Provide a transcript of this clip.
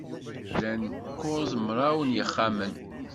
Llan kuẓ mraw n yexxamen